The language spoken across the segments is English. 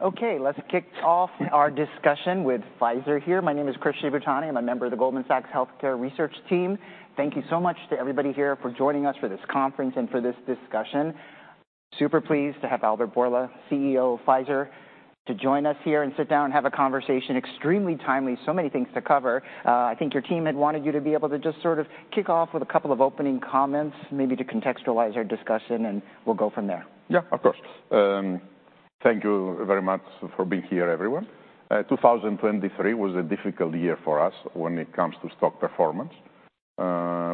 Okay, let's kick off our discussion with Pfizer here. My name is Chris Shibutani. I'm a member of the Goldman Sachs Healthcare Research Team. Thank you so much to everybody here for joining us for this conference and for this discussion. Super pleased to have Albert Bourla, CEO of Pfizer, to join us here and sit down and have a conversation. Extremely timely, so many things to cover. I think your team had wanted you to be able to just sort of kick off with a couple of opening comments, maybe to contextualize our discussion, and we'll go from there. Yeah, of course. Thank you very much for being here, everyone. 2023 was a difficult year for us when it comes to stock performance. We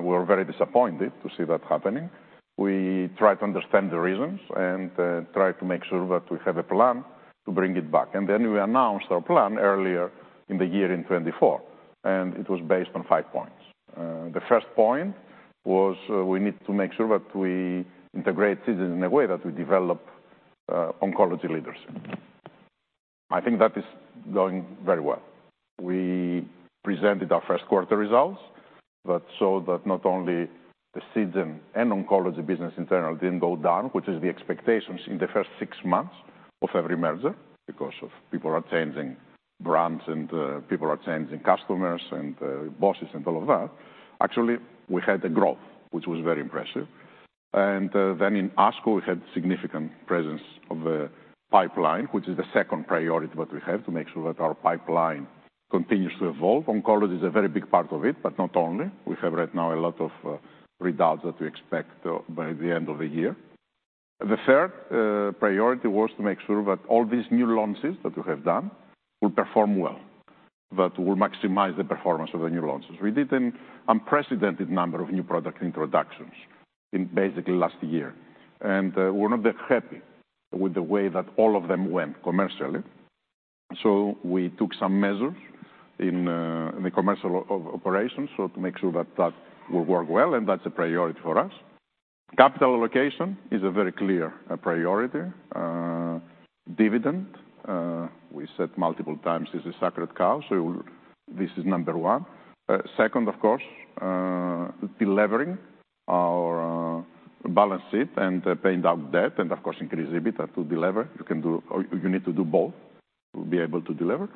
were very disappointed to see that happening. We tried to understand the reasons and tried to make sure that we have a plan to bring it back. Then we announced our plan earlier in the year in 2024, and it was based on five points. The first point was we need to make sure that we integrate Seagen in a way that we develop oncology leadership. I think that is going very well. We presented our first quarter results, but saw that not only the Seagen and oncology business in general didn't go down, which is the expectations in the first six months of every merger because people are changing brands and people are changing customers and bosses and all of that. Actually, we had a growth, which was very impressive. Then in ASCO, we had significant presence of the pipeline, which is the second priority that we have to make sure that our pipeline continues to evolve. Oncology is a very big part of it, but not only. We have right now a lot of results that we expect by the end of the year. The third priority was to make sure that all these new launches that we have done will perform well, that will maximize the performance of the new launches. We did an unprecedented number of new product introductions in basically last year, and we're not that happy with the way that all of them went commercially. We took some measures in the commercial operations to make sure that that will work well, and that's a priority for us. Capital allocation is a very clear priority. dividend, we said multiple times, this is a sacred cow, so this is number one. Second, of course, de-levering our balance sheet and paying down debt, and of course, increase EBITDA to deliver. You need to do both to be able to deliver.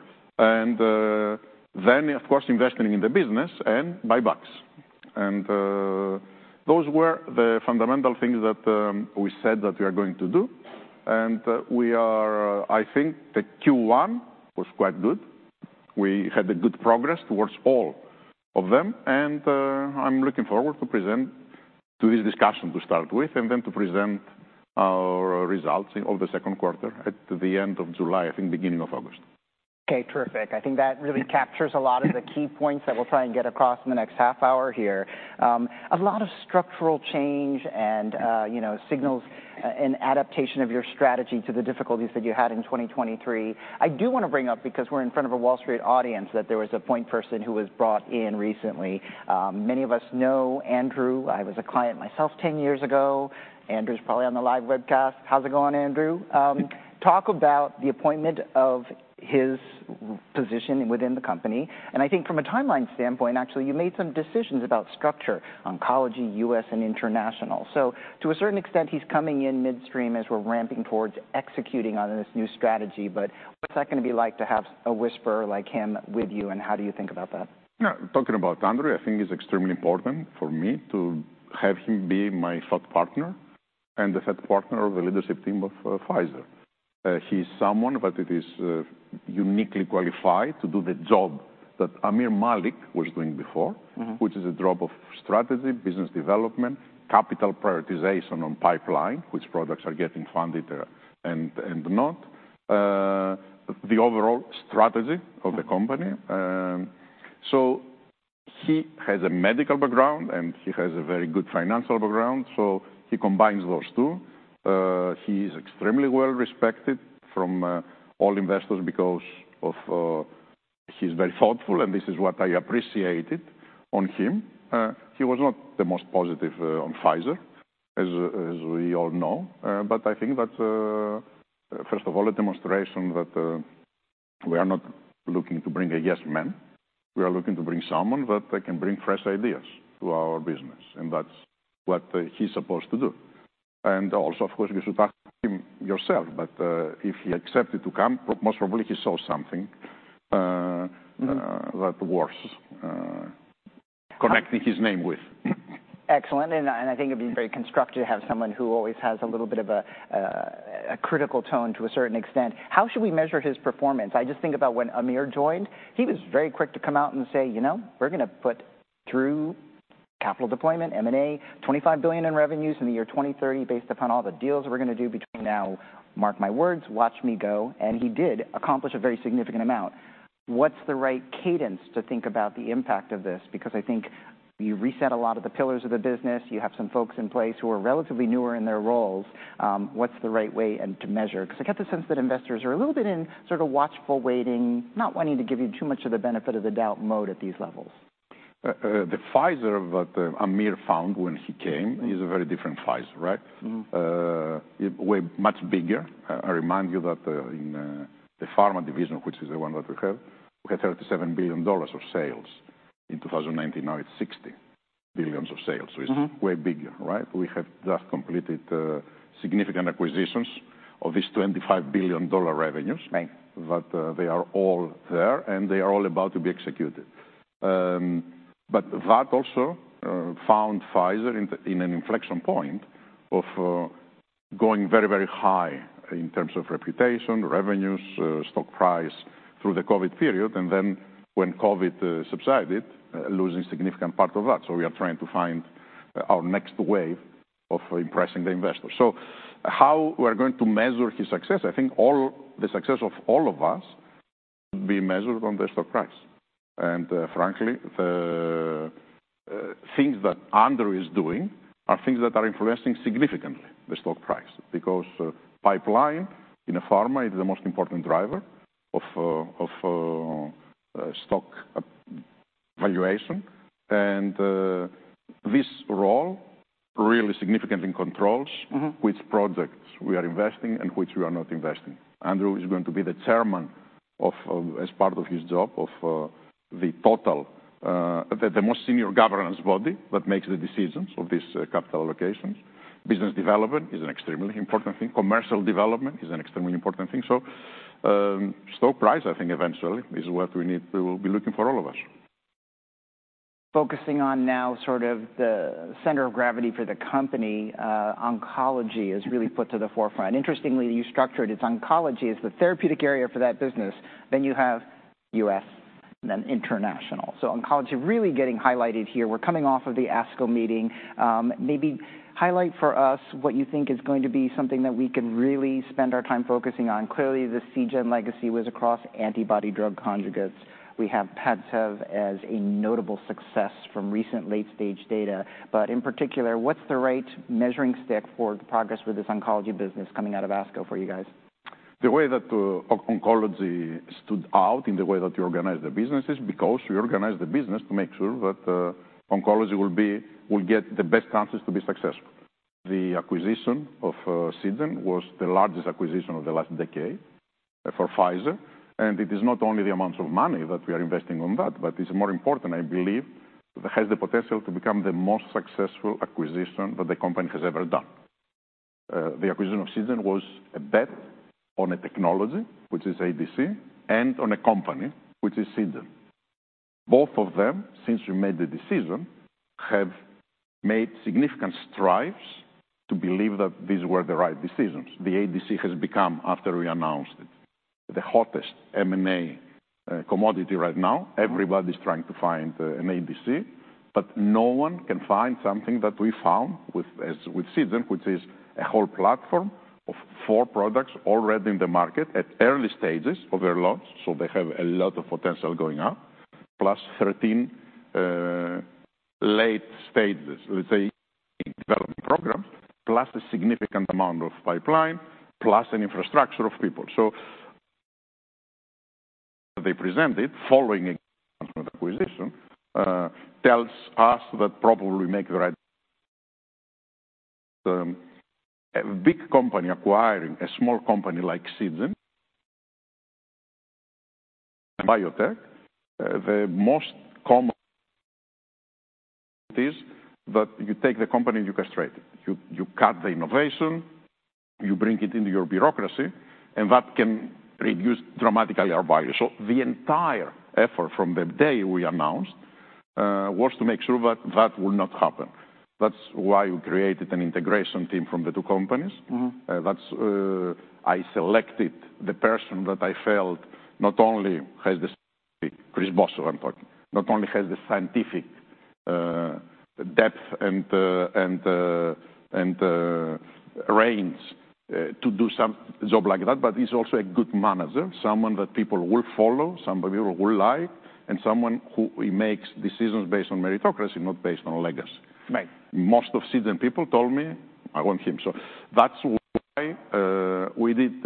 Then, of course, investing in the business and buybacks. Those were the fundamental things that we said that we are going to do. We are, I think the Q1 was quite good. We had good progress towards all of them, and I'm looking forward to present to this discussion to start with and then to present our results of the second quarter at the end of July, I think beginning of August. Okay, terrific. I think that really captures a lot of the key points that we'll try and get across in the next half hour here. A lot of structural change and signals and adaptation of your strategy to the difficulties that you had in 2023. I do want to bring up, because we're in front of a Wall Street audience, that there was a point person who was brought in recently. Many of us know Andrew. I was a client myself 10 years ago. Andrew's probably on the live webcast. How's it going, Andrew? Talk about the appointment of his position within the company. And I think from a timeline standpoint, actually, you made some decisions about structure, oncology, U.S. and international. So to a certain extent, he's coming in midstream as we're ramping towards executing on this new strategy. What's that going to be like to have a whisper like him with you, and how do you think about that? Yeah, talking about Andrew, I think it's extremely important for me to have him be my thought partner and the head partner of the leadership team of Pfizer. He's someone that is uniquely qualified to do the job that Aamir Malik was doing before, which is head of strategy, business development, capital prioritization on pipeline, which products are getting funded and not the overall strategy of the company. So he has a medical background and he has a very good financial background, so he combines those two. He is extremely well respected from all investors because he's very thoughtful, and this is what I appreciated on him. He was not the most positive on Pfizer, as we all know, but I think that's first of all a demonstration that we are not looking to bring a yes man. We are looking to bring someone that can bring fresh ideas to our business, and that's what he's supposed to do. Also, of course, you should ask him yourself, but if he accepted to come, most probably he saw something that was correcting his name with. Excellent. I think it'd be very constructive to have someone who always has a little bit of a critical tone to a certain extent. How should we measure his performance? I just think about when Amir joined, he was very quick to come out and say, you know, we're going to put through capital deployment, M&A, $25 billion in revenues in the year 2030 based upon all the deals we're going to do between now, mark my words, watch me go. He did accomplish a very significant amount. What's the right cadence to think about the impact of this? Because I think you reset a lot of the pillars of the business. You have some folks in place who are relatively newer in their roles. What's the right way to measure? Because I get the sense that investors are a little bit in sort of watchful waiting, not wanting to give you too much of the benefit of the doubt mode at these levels. The Pfizer that Aamir found when he came is a very different Pfizer, right? Way much bigger. I remind you that in the pharma division, which is the one that we have, we had $37 billion of sales in 2019. Now it's $60 billion of sales, so it's way bigger, right? We have just completed significant acquisitions of these $25 billion revenues that they are all there, and they are all about to be executed. But that also found Pfizer in an inflection point of going very, very high in terms of reputation, revenues, stock price through the COVID period, and then when COVID subsided, losing significant part of that. So we are trying to find our next wave of impressing the investor. So how we're going to measure his success, I think all the success of all of us would be measured on the stock price. Frankly, the things that Andrew is doing are things that are influencing significantly the stock price because pipeline in a pharma is the most important driver of stock valuation. This role really significantly controls which projects we are investing and which we are not investing. Andrew is going to be the chairman of, as part of his job, of the total, the most senior governance body that makes the decisions of these capital allocations. Business development is an extremely important thing. Commercial development is an extremely important thing. Stock price, I think eventually is what we need to be looking for all of us. Focusing on now sort of the center of gravity for the company, oncology is really put to the forefront. Interestingly, you structured its oncology as the therapeutic area for that business. Then you have U.S. and then international. So oncology really getting highlighted here. We're coming off of the ASCO meeting. Maybe highlight for us what you think is going to be something that we can really spend our time focusing on. Clearly, the Seagen legacy was across antibody drug conjugates. We have Padcev as a notable success from recent late-stage data. But in particular, what's the right measuring stick for the progress with this oncology business coming out of ASCO for you guys? The way that oncology stood out in the way that you organize the business is because we organize the business to make sure that oncology will get the best chances to be successful. The acquisition of Seagen was the largest acquisition of the last decade for Pfizer. And it is not only the amounts of money that we are investing on that, but it's more important, I believe, that has the potential to become the most successful acquisition that the company has ever done. The acquisition of Seagen was a bet on a technology, which is ADC, and on a company, which is Seagen. Both of them, since we made the decision, have made significant strides to believe that these were the right decisions. The ADC has become, after we announced it, the hottest M&A commodity right now. Everybody's trying to find an ADC, but no one can find something that we found with Seagen, which is a whole platform of four products already in the market at early stages of their launch. So they have a lot of potential going up, plus 13 late stages, let's say, development programs, plus a significant amount of pipeline, plus an infrastructure of people. So the presentation following acquisition tells us that probably we make the right big company acquiring a small company like Seagen and biotech, the most common is that you take the company and you castrate it. You cut the innovation, you bring it into your bureaucracy, and that can reduce dramatically our value. So the entire effort from the day we announced was to make sure that that will not happen. That's why we created an integration team from the two companies. I selected the person that I felt not only has the Chris Boshoff, I'm talking, not only has the scientific depth and range to do some job like that, but he's also a good manager, someone that people will follow, somebody who will like, and someone who makes decisions based on meritocracy, not based on legacy. Most of Seagen people told me I want him. So that's why we did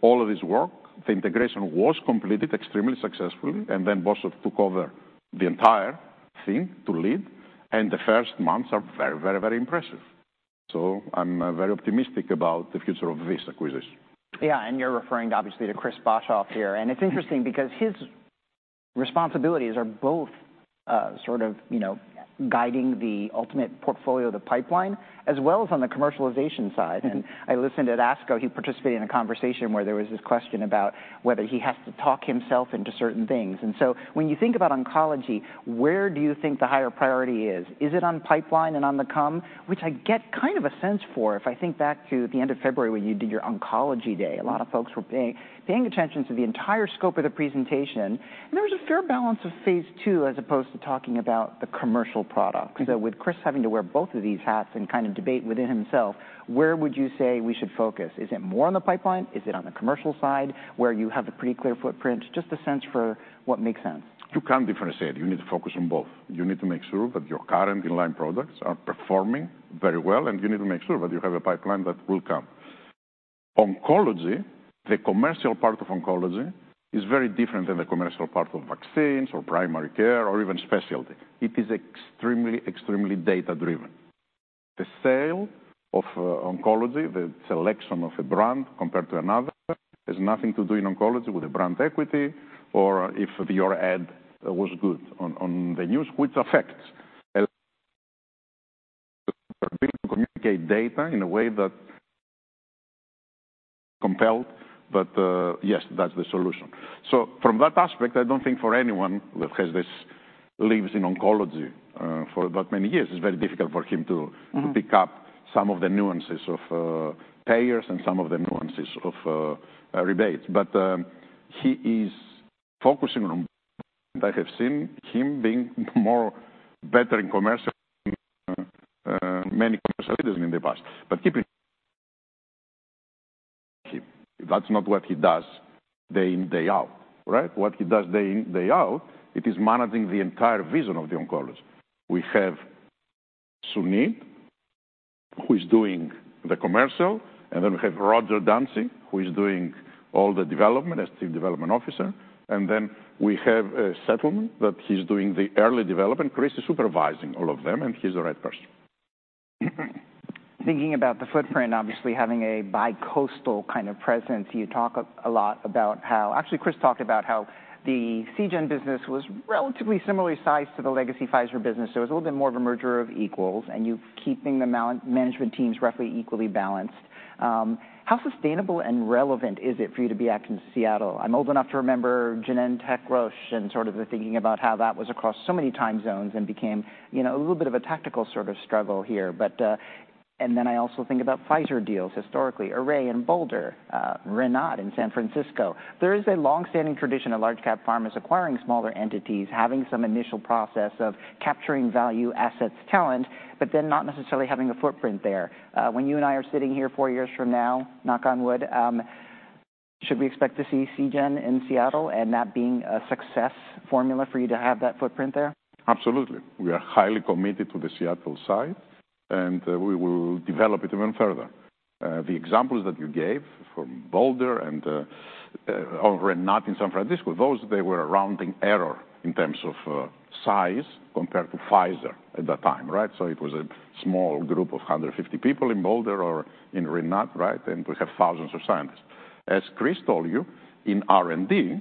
all of this work. The integration was completed extremely successfully, and then Boshoff took over the entire thing to lead. The first months are very, very, very impressive. So I'm very optimistic about the future of this acquisition. Yeah, and you're referring obviously to Chris Boshoff here. And it's interesting because his responsibilities are both sort of guiding the ultimate portfolio, the pipeline, as well as on the commercialization side. And I listened at ASCO. He participated in a conversation where there was this question about whether he has to talk himself into certain things. And so when you think about oncology, where do you think the higher priority is? Is it on pipeline and on the come, which I get kind of a sense for if I think back to the end of February when you did your oncology day? A lot of folks were paying attention to the entire scope of the presentation. And there was a fair balance of phase two as opposed to talking about the commercial products. So with Chris having to wear both of these hats and kind of debate within himself, where would you say we should focus? Is it more on the pipeline? Is it on the commercial side where you have a pretty clear footprint? Just a sense for what makes sense. You can't differentiate. You need to focus on both. You need to make sure that your current inline products are performing very well, and you need to make sure that you have a pipeline that will come. Oncology, the commercial part of oncology, is very different than the commercial part of vaccines or primary care or even specialty. It is extremely, extremely data-driven. The sale of oncology, the selection of a brand compared to another has nothing to do in oncology with the brand equity or if your ad was good on the news, which affects how you communicate data in a way that compels. But yes, that's the solution. So from that aspect, I don't think for anyone that lives in oncology for that many years, it's very difficult for him to pick up some of the nuances of payers and some of the nuances of rebates. But he is focusing on, I have seen him being better in commercial, many commercial leaders in the past. But keep in mind, that's not what he does day in, day out, right? What he does day in, day out, it is managing the entire vision of the oncology. We have Suneet, who is doing the commercial, and then we have Roger Dansey, who is doing all the development as Chief Development Officer. And then we have Jeff Settleman that he's doing the early development. Chris is supervising all of them, and he's the right person. Thinking about the footprint, obviously having a bicoastal kind of presence, you talk a lot about how, actually, Chris talked about how the Seagen business was relatively similarly sized to the legacy Pfizer business. It was a little bit more of a merger of equals, and you're keeping the management teams roughly equally balanced. How sustainable and relevant is it for you to be acting in Seattle? I'm old enough to remember Genentech, Roche, and sort of the thinking about how that was across so many time zones and became a little bit of a tactical sort of struggle here. But then I also think about Pfizer deals historically, Array and Boulder, Rinat in San Francisco. There is a longstanding tradition of large cap pharmas acquiring smaller entities, having some initial process of capturing value, assets, talent, but then not necessarily having a footprint there. When you and I are sitting here four years from now, knock on wood, should we expect to see Seagen in Seattle and that being a success formula for you to have that footprint there? Absolutely. We are highly committed to the Seattle side, and we will develop it even further. The examples that you gave from Boulder and Rinat in San Francisco, those, they were a rounding error in terms of size compared to Pfizer at that time, right? So it was a small group of 150 people in Boulder or in Rinat, right? And we have thousands of scientists. As Chris told you, in R&D,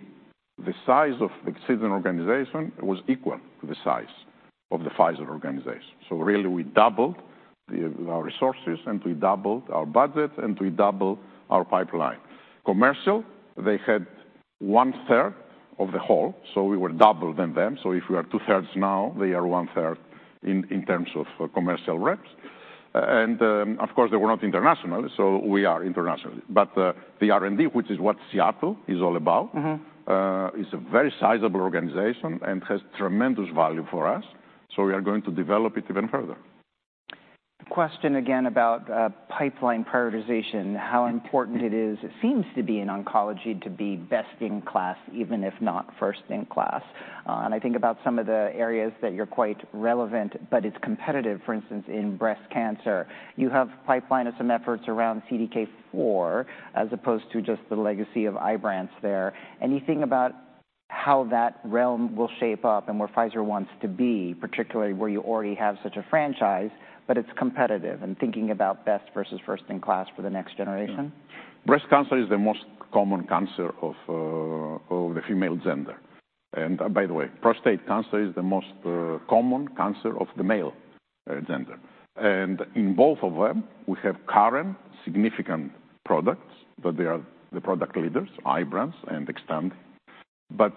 the size of the Seagen organization was equal to the size of the Pfizer organization. So really, we doubled our resources and we doubled our budget and we doubled our pipeline. Commercial, they had one third of the whole, so we were double than them. So if we are two thirds now, they are one third in terms of commercial reps. And of course, they were not international, so we are international. But the R&D, which is what Seattle is all about, is a very sizable organization and has tremendous value for us. So we are going to develop it even further. Question again about pipeline prioritization, how important it is. It seems to be in oncology to be best in class, even if not first in class. And I think about some of the areas that you're quite relevant, but it's competitive, for instance, in breast cancer. You have pipeline of some efforts around CDK4 as opposed to just the legacy of Ibrance there. Anything about how that realm will shape up and where Pfizer wants to be, particularly where you already have such a franchise, but it's competitive and thinking about best versus first in class for the next generation? Breast cancer is the most common cancer of the female gender. And by the way, prostate cancer is the most common cancer of the male gender. In both of them, we have current significant products that they are the product leaders, Ibrance and Xtandi. But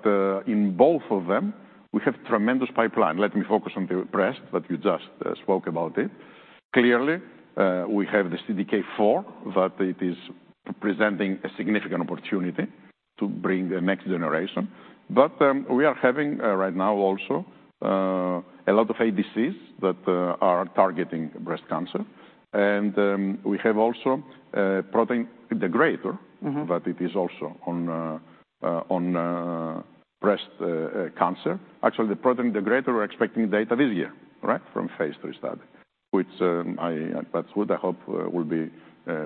in both of them, we have tremendous pipeline. Let me focus on the breast that you just spoke about. Clearly, we have the CDK4 that it is presenting a significant opportunity to bring the next generation. But we are having right now also a lot of ADCs that are targeting breast cancer. And we have also a protein degrader that it is also on breast cancer. Actually, the protein degrader we're expecting data this year, right, from phase 3 study, which I hope will be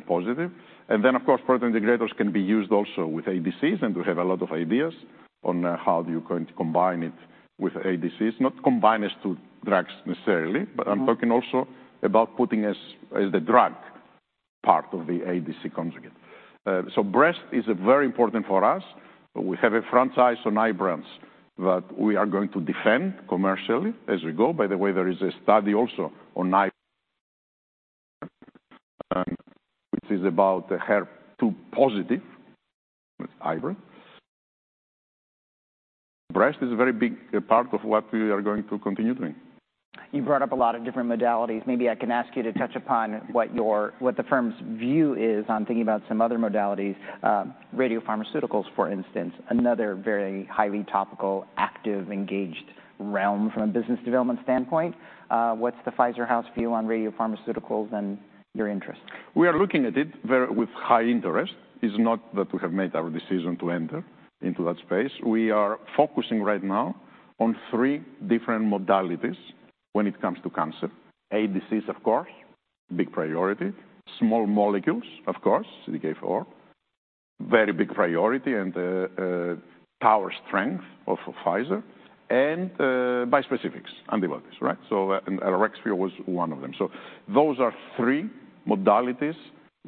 positive. Then, of course, protein degraders can be used also with ADCs, and we have a lot of ideas on how you can combine it with ADCs, not combine as two drugs necessarily, but I'm talking also about putting as the drug part of the ADC conjugate. So breast is very important for us. We have a franchise on Ibrance that we are going to defend commercially as we go. By the way, there is a study also on Ibrance, which is about HER2 positive, Ibrance. Breast is a very big part of what we are going to continue doing. You brought up a lot of different modalities. Maybe I can ask you to touch upon what the firm's view is on thinking about some other modalities. Radio pharmaceuticals, for instance, another very highly topical, active, engaged realm from a business development standpoint. What's the Pfizer house view on radio pharmaceuticals and your interest? We are looking at it with high interest. It's not that we have made our decision to enter into that space. We are focusing right now on three different modalities when it comes to cancer. ADCs, of course, big priority. Small molecules, of course, CDK4, very big priority and power strength of Pfizer, and bispecifics, antibodies, right? So Talvey was one of them. So those are three modalities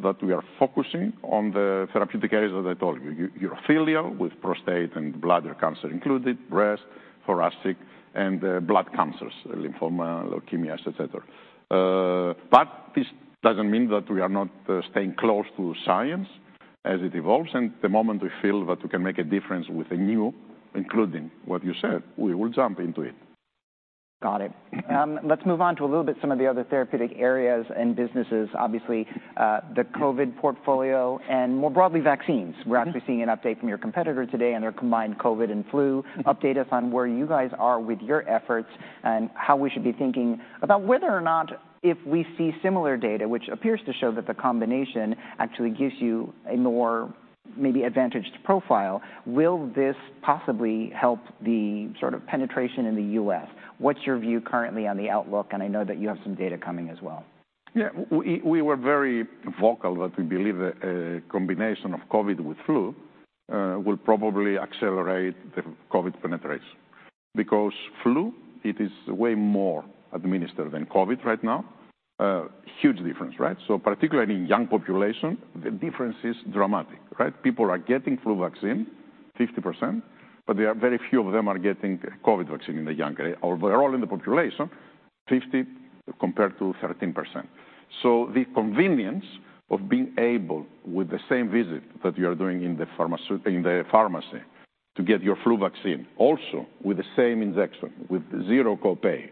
that we are focusing on the therapeutic areas that I told you. Urothelial with prostate and bladder cancer included, breast, thoracic, and blood cancers, lymphoma, leukemias, et cetera. But this doesn't mean that we are not staying close to science as it evolves. The moment we feel that we can make a difference with a new, including what you said, we will jump into it. Got it. Let's move on to a little bit some of the other therapeutic areas and businesses, obviously the COVID portfolio and more broadly vaccines. We're actually seeing an update from your competitor today and their combined COVID and flu. Update us on where you guys are with your efforts and how we should be thinking about whether or not if we see similar data, which appears to show that the combination actually gives you a more maybe advantaged profile; will this possibly help the sort of penetration in the U.S.? What's your view currently on the outlook? I know that you have some data coming as well. Yeah, we were very vocal that we believe a combination of COVID with flu will probably accelerate the COVID penetration because flu, it is way more administered than COVID right now. Huge difference, right? So particularly in young population, the difference is dramatic, right? People are getting flu vaccine, 50%, but very few of them are getting COVID vaccine in the younger age, although they're all in the population, 50% compared to 13%. So the convenience of being able with the same visit that you are doing in the pharmacy to get your flu vaccine also with the same injection with zero copay,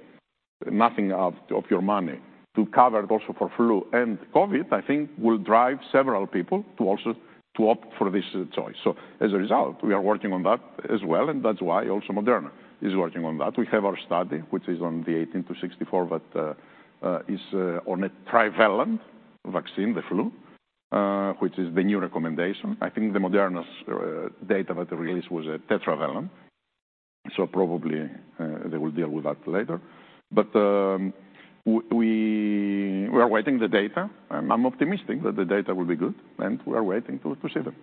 nothing of your money to cover it also for flu and COVID, I think will drive several people to also opt for this choice. So as a result, we are working on that as well. And that's why also Moderna is working on that. We have our study, which is on the 18-64 that is on a trivalent vaccine, the flu, which is the new recommendation. I think the Moderna's data that they released was a tetravalent. So probably they will deal with that later. But we are waiting the data. I'm optimistic that the data will be good, and we are waiting to see them.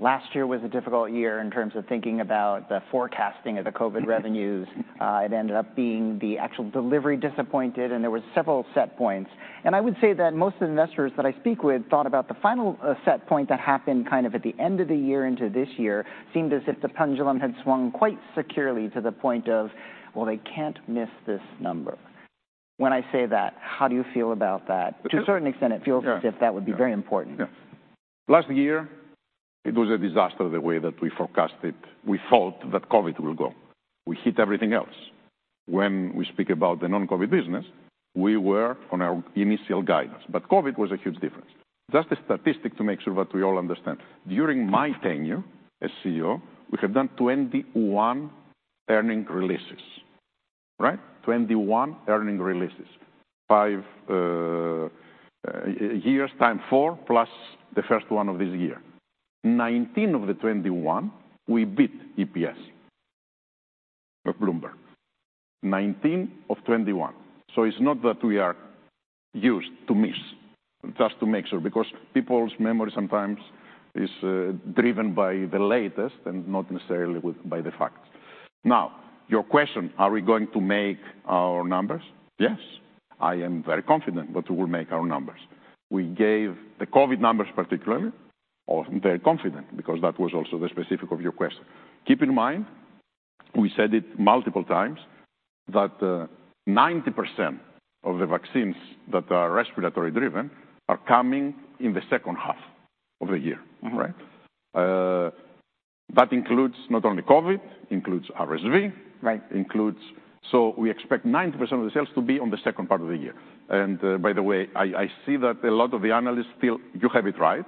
Last year was a difficult year in terms of thinking about the forecasting of the COVID revenues. It ended up being the actual delivery disappointed, and there were several set points. I would say that most of the investors that I speak with thought about the final set point that happened kind of at the end of the year into this year seemed as if the pendulum had swung quite securely to the point of, well, they can't miss this number. When I say that, how do you feel about that? To a certain extent, it feels as if that would be very important. Last year, it was a disaster the way that we forecast it. We thought that COVID will go. We hit everything else. When we speak about the non-COVID business, we were on our initial guidance. But COVID was a huge difference. Just a statistic to make sure that we all understand. During my tenure as CEO, we have done 21 earnings releases, right? 21 earnings releases. Five years, times four plus the first one of this year. 19 of the 21, we beat EPS of Bloomberg. 19 of 21. So it's not that we are used to miss, just to make sure, because people's memory sometimes is driven by the latest and not necessarily by the facts. Now, your question, are we going to make our numbers? Yes. I am very confident that we will make our numbers. We gave the COVID numbers particularly, or very confident because that was also the specifics of your question. Keep in mind, we said it multiple times that 90% of the vaccines that are respiratory driven are coming in the second half of the year, right? That includes not only COVID, includes RSV, includes so we expect 90% of the sales to be on the second part of the year. And by the way, I see that a lot of the analysts still, you have it right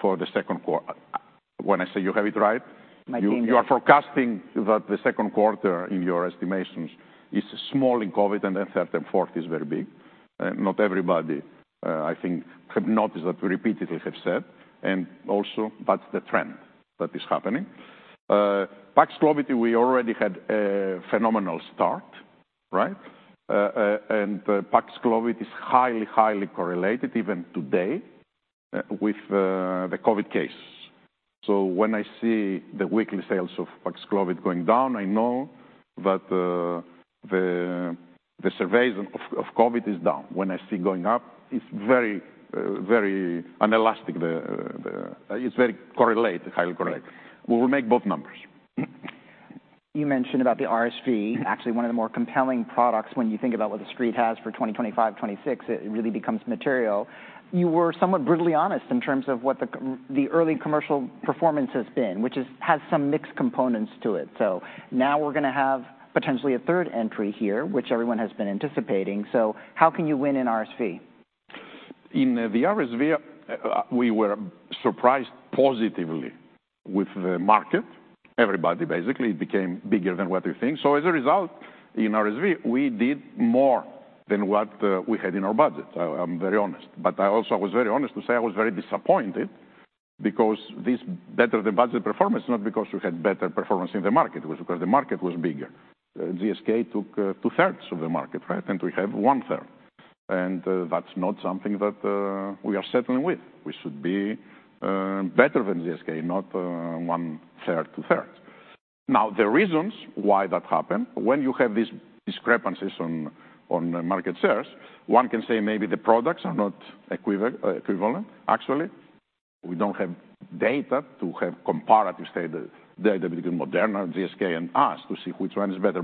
for the second quarter. When I say you have it right, you are forecasting that the second quarter in your estimations is small in COVID and then third and fourth is very big. Not everybody, I think, have noticed that we repeatedly have said. And also, that's the trend that is happening. Paxlovid, we already had a phenomenal start, right? Paxlovid is highly, highly correlated even today with the COVID cases. So when I see the weekly sales of Paxlovid going down, I know that the surges of COVID is down. When I see going up, it's very, very inelastic. It's very correlated, highly correlated. We will make both numbers. You mentioned about the RSV, actually one of the more compelling products when you think about what the street has for 2025, 2026, it really becomes material. You were somewhat brutally honest in terms of what the early commercial performance has been, which has some mixed components to it. So now we're going to have potentially a third entry here, which everyone has been anticipating. So how can you win in RSV? In the RSV, we were surprised positively with the market. Everybody basically became bigger than what you think. So as a result, in RSV, we did more than what we had in our budget. I'm very honest. But I also was very honest to say I was very disappointed because this better-than-budget performance, not because we had better performance in the market, it was because the market was bigger. GSK took two-thirds of the market, right? And we have one-third. And that's not something that we are settling with. We should be better than GSK, not one-third, two-thirds. Now, the reasons why that happened, when you have these discrepancies on market shares, one can say maybe the products are not equivalent. Actually, we don't have data to have comparative data between Moderna, GSK, and us to see which one is better.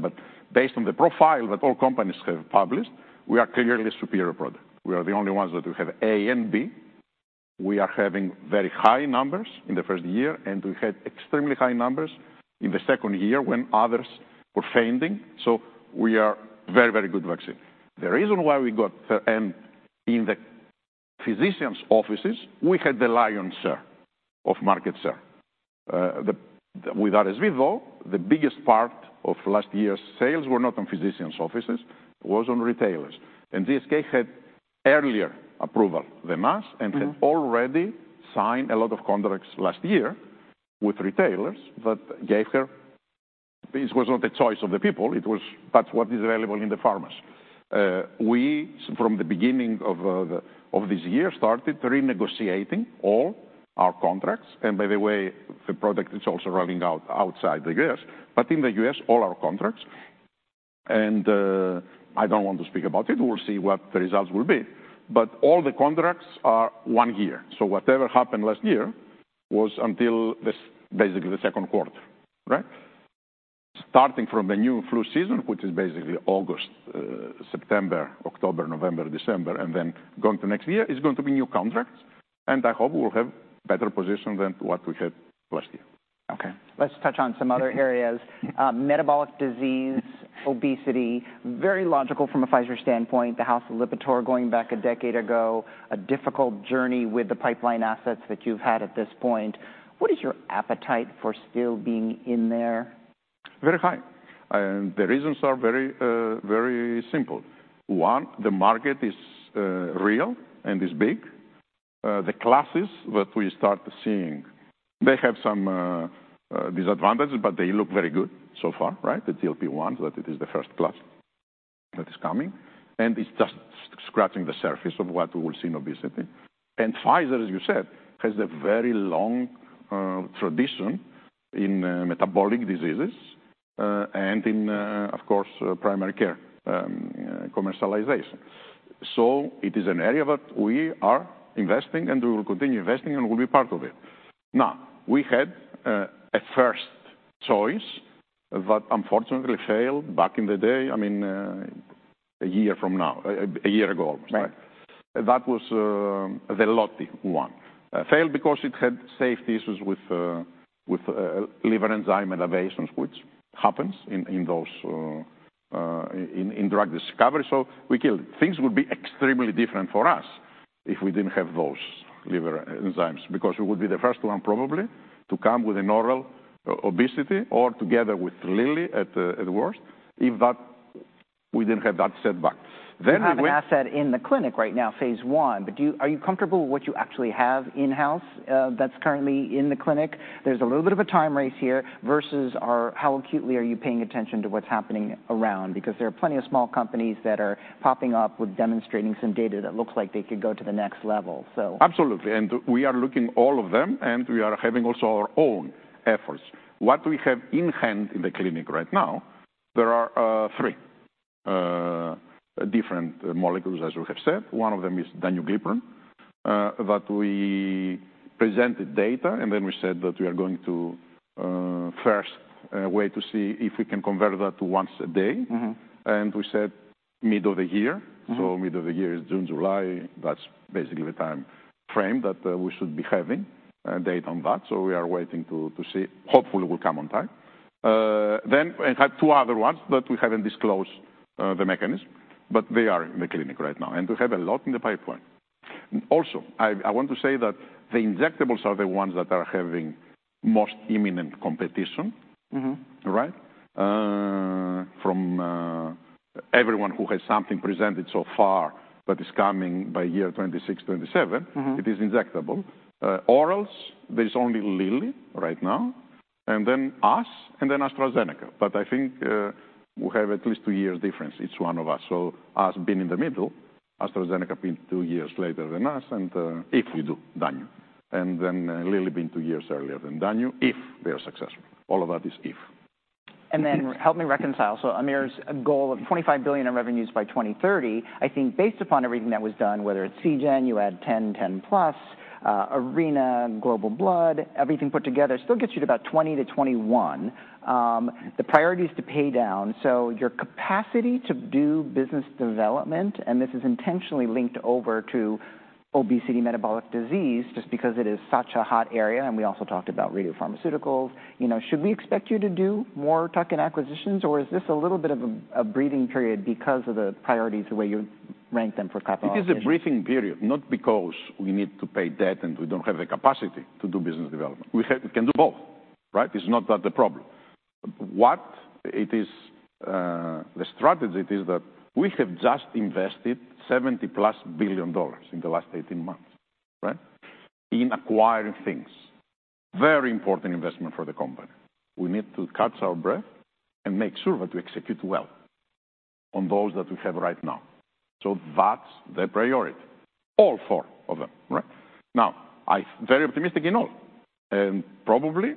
Based on the profile that all companies have published, we are clearly a superior product. We are the only ones that we have A and B. We are having very high numbers in the first year, and we had extremely high numbers in the second year when others were fainting. So we are a very, very good vaccine. The reason why we got and in the physicians' offices, we had the lion's share of market share. With RSV, though, the biggest part of last year's sales were not in physicians' offices, it was on retailers. And GSK had earlier approval than us and had already signed a lot of contracts last year with retailers that gave them it was not a choice of the people. It was that's what is available in the pharmacies. We, from the beginning of this year, started renegotiating all our contracts. And by the way, the product is also rolling out outside the U.S. But in the U.S., all our contracts, and I don't want to speak about it. We'll see what the results will be. But all the contracts are one year. So whatever happened last year was until basically the second quarter, right? Starting from the new flu season, which is basically August, September, October, November, December, and then going to next year, it's going to be new contracts. And I hope we'll have a better position than what we had last year. Okay. Let's touch on some other areas. Metabolic disease, obesity, very logical from a Pfizer standpoint, the house of Lipitor going back a decade ago, a difficult journey with the pipeline assets that you've had at this point. What is your appetite for still being in there? Very high. The reasons are very, very simple. One, the market is real and is big. The classes that we start seeing, they have some disadvantages, but they look very good so far, right? The GLP-1s, that it is the first class that is coming. And it's just scratching the surface of what we will see in obesity. And Pfizer, as you said, has a very long tradition in metabolic diseases and in, of course, primary care commercialization. So it is an area that we are investing and we will continue investing and we'll be part of it. Now, we had a first choice that unfortunately failed back in the day, I mean, a year from now, a year ago almost, right? That was the lotiglipron. Failed because it had safety issues with liver enzyme elevations, which happens in drug discovery. So we killed it. Things would be extremely different for us if we didn't have those liver enzymes because we would be the first one probably to come with an oral obesity or together with Lilly at worst if we didn't have that setback. Not an asset in the clinic right now, phase 1, but are you comfortable with what you actually have in-house that's currently in the clinic? There's a little bit of a time race here versus how acutely are you paying attention to what's happening around? Because there are plenty of small companies that are popping up with demonstrating some data that looks like they could go to the next level, so. Absolutely. We are looking at all of them and we are having also our own efforts. What we have in hand in the clinic right now, there are three different molecules, as we have said. One of them is danuglipron that we presented data and then we said that we are going to first wait to see if we can convert that to once a day. We said mid of the year. So mid of the year is June, July. That's basically the time frame that we should be having data on that. So we are waiting to see. Hopefully, we'll come on time. Then we have two other ones that we haven't disclosed the mechanism, but they are in the clinic right now. We have a lot in the pipeline. Also, I want to say that the injectables are the ones that are having most imminent competition, right? From everyone who has something presented so far that is coming by 2026, 2027, it is injectable. Orals, there's only Lilly right now, and then us, and then AstraZeneca. But I think we have at least two years difference. It's one of us. So us being in the middle, AstraZeneca being two years later than us, and if we do danuglipron. And then Lilly being two years earlier than danuglipron, if they are successful. All of that is if. Then help me reconcile. So Aamir's goal of $25 billion in revenues by 2030, I think based upon everything that was done, whether it's Seagen, you add $10 billion, $10 billion plus, Array, Global Blood, everything put together still gets you to about $20-$21 billion. The priorities to pay down, so your capacity to do business development, and this is intentionally linked over to obesity, metabolic disease, just because it is such a hot area. We also talked about radio pharmaceuticals. Should we expect you to do more token acquisitions, or is this a little bit of a breathing period because of the priorities, the way you rank them for capital? It is a breathing period, not because we need to pay debt and we don't have the capacity to do business development. We can do both, right? It's not that the problem. What it is, the strategy is that we have just invested $70+ billion in the last 18 months, right? In acquiring things. Very important investment for the company. We need to catch our breath and make sure that we execute well on those that we have right now. So that's the priority. All four of them, right? Now, I'm very optimistic in all. And probably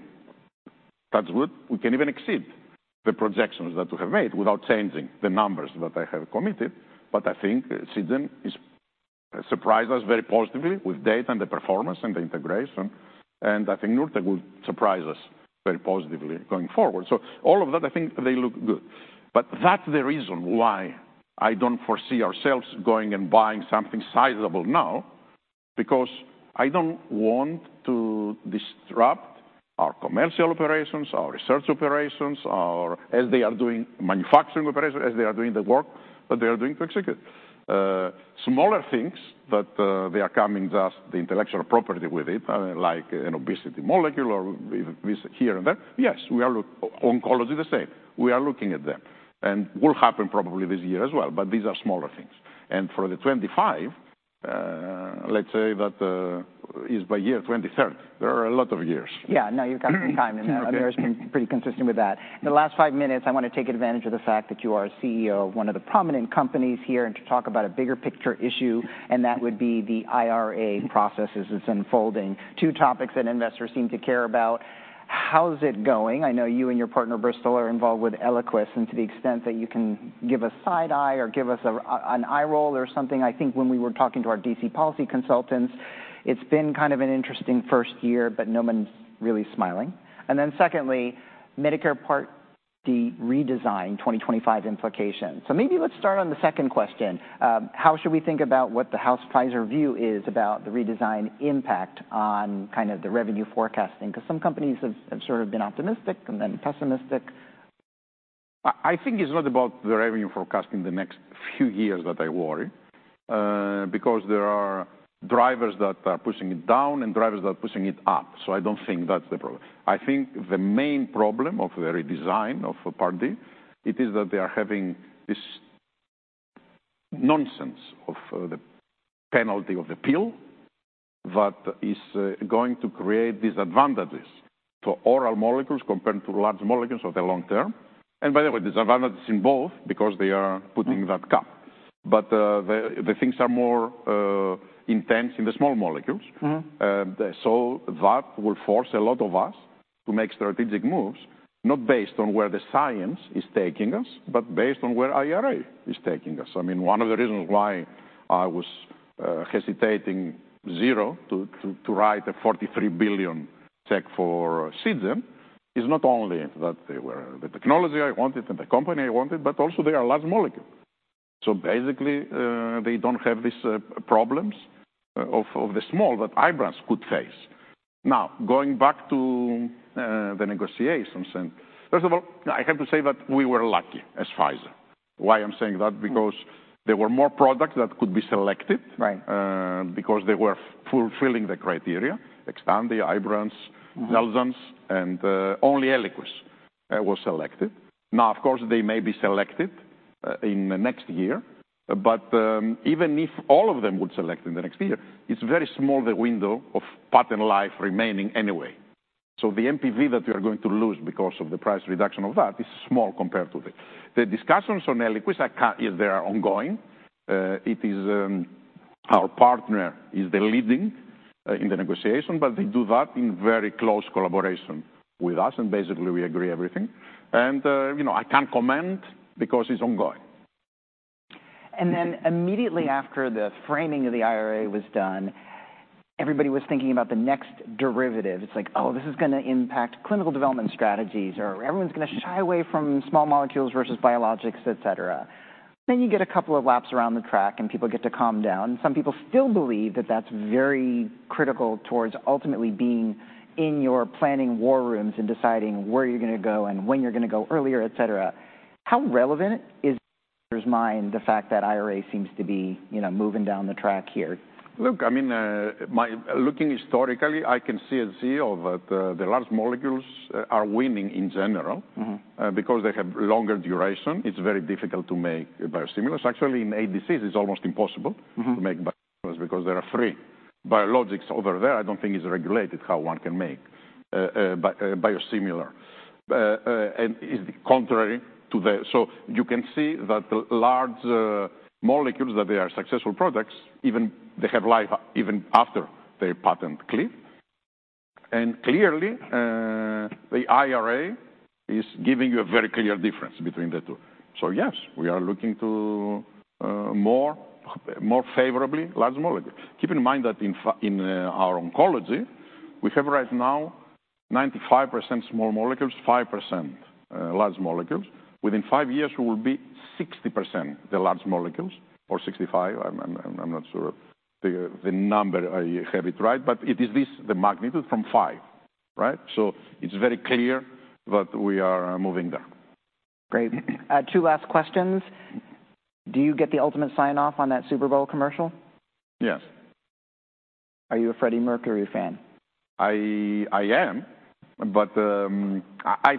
that's good. We can even exceed the projections that we have made without changing the numbers that I have committed. But I think Seagen is surprised us very positively with data and the performance and the integration. And I think Nurtec will surprise us very positively going forward. So all of that, I think they look good. But that's the reason why I don't foresee ourselves going and buying something sizable now, because I don't want to disrupt our commercial operations, our research operations, as they are doing manufacturing operations, as they are doing the work that they are doing to execute. Smaller things that they are coming just the intellectual property with it, like an obesity molecule or here and there. Yes, we are looking oncology the same. We are looking at them. And will happen probably this year as well, but these are smaller things. And for 2025, let's say that is by year 2030. There are a lot of years. Yeah. No, you've got some time in there. I mean, it's been pretty consistent with that. In the last five minutes, I want to take advantage of the fact that you are a CEO of one of the prominent companies here and to talk about a bigger picture issue, and that would be the IRA process as it's unfolding. Two topics that investors seem to care about. How's it going? I know you and your partner, Bristol, are involved with Eliquis, and to the extent that you can give us side eye or give us an eye roll or something. I think when we were talking to our D.C. policy consultants, it's been kind of an interesting first year, but no one's really smiling. And then secondly, Medicare Part D redesign, 2025 implications. So maybe let's start on the second question. How should we think about what the house Pfizer view is about the redesign impact on kind of the revenue forecasting? Because some companies have sort of been optimistic and then pessimistic. I think it's not about the revenue forecasting the next few years that I worry, because there are drivers that are pushing it down and drivers that are pushing it up. So I don't think that's the problem. I think the main problem of the redesign of Part D, it is that they are having this nonsense of the penalty of the pill that is going to create disadvantages for oral molecules compared to large molecules of the long term. And by the way, disadvantages in both because they are putting that cap. But the things are more intense in the small molecules. So that will force a lot of us to make strategic moves, not based on where the science is taking us, but based on where IRA is taking us. I mean, one of the reasons why I was hesitating zero to write a $43 billion check for Seagen is not only that they were the technology I wanted and the company I wanted, but also they are large molecules. So basically, they don't have these problems of the small that Ibrance could face. Now, going back to the negotiations, and first of all, I have to say that we were lucky as Pfizer. Why I'm saying that? Because there were more products that could be selected because they were fulfilling the criteria, Xtandi, Ibrance, Xeljanz, and only Eliquis was selected. Now, of course, they may be selected in the next year, but even if all of them would select in the next year, it's very small the window of patent life remaining anyway. The NPV that we are going to lose because of the price reduction of that is small compared to the discussions on Eliquis. They are ongoing. Our partner is the leading in the negotiation, but they do that in very close collaboration with us, and basically we agree everything. And I can't comment because it's ongoing. And then immediately after the framing of the IRA was done, everybody was thinking about the next derivative. It's like, oh, this is going to impact clinical development strategies, or everyone's going to shy away from small molecules versus biologics, et cetera. Then you get a couple of laps around the track and people get to calm down. Some people still believe that that's very critical towards ultimately being in your planning war rooms and deciding where you're going to go and when you're going to go earlier, et cetera. How relevant is that in your mind, the fact that the IRA seems to be moving down the track here? Look, I mean, looking historically, I can see and see that the large molecules are winning in general because they have longer duration. It's very difficult to make biosimilars. Actually, in ADCs, it's almost impossible to make biosimilars because there are three biologics over there. I don't think it's regulated how one can make biosimilar. And it's the contrary to the so you can see that large molecules that they are successful products, even they have life even after they patent cliff. And clearly, the IRA is giving you a very clear difference between the two. So yes, we are looking to more favorably large molecules. Keep in mind that in our oncology, we have right now 95% small molecules, 5% large molecules. Within five years, we will be 60% the large molecules or 65%. I'm not sure the number I have it right, but it is this, the magnitude from 5, right? So it's very clear that we are moving there. Great. Two last questions. Do you get the ultimate sign-off on that Super Bowl commercial? Yes. Are you a Freddie Mercury fan? I am, but I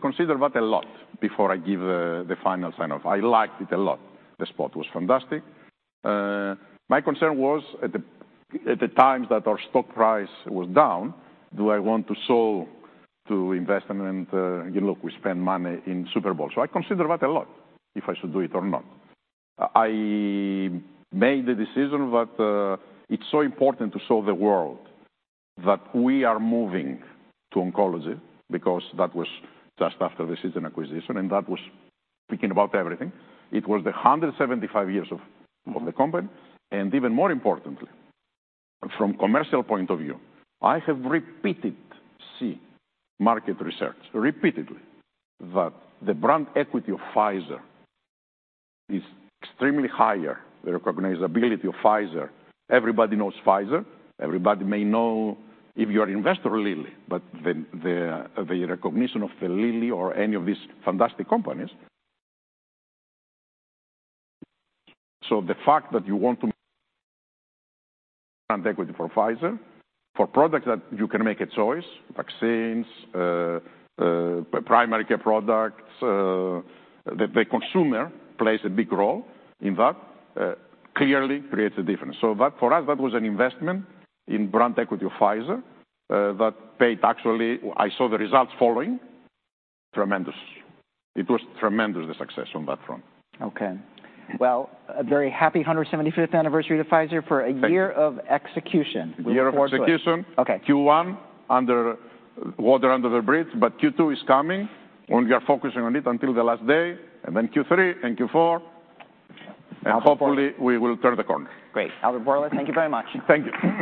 consider that a lot before I give the final sign-off. I liked it a lot. The spot was fantastic. My concern was at the times that our stock price was down, do I want to sell to investors? You look, we spend money in Super Bowl. So I consider that a lot if I should do it or not. I made the decision that it's so important to show the world that we are moving to oncology because that was just after the Seagen acquisition, and that was speaking about everything. It was the 175 years of the company. And even more importantly, from a commercial point of view, I have repeatedly seen market research repeatedly that the brand equity of Pfizer is extremely higher, the recognizability of Pfizer. Everybody knows Pfizer. Everybody may know if you're an investor, Lilly, but the recognition of the Lilly or any of these fantastic companies. So the fact that you want brand equity for Pfizer, for products that you can make a choice, vaccines, primary care products, the consumer plays a big role in that, clearly creates a difference. So for us, that was an investment in brand equity of Pfizer that paid actually, I saw the results following, tremendous. It was tremendous the success on that front. Okay. Well, a very happy 175th anniversary to Pfizer for a year of execution. Year of execution. Q1 is water under the bridge, but Q2 is coming when we are focusing on it until the last day. And then Q3 and Q4, and hopefully we will turn the corner. Great. Albert Bourla, thank you very much. Thank you.